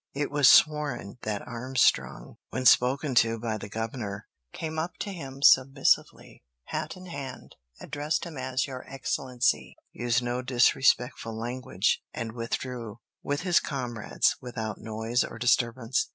It was sworn that Armstrong, when spoken to by the governor, came up to him submissively, hat in hand, addressed him as "Your Excellency," used no disrespectful language, and withdrew, with his comrades, without noise or disturbance.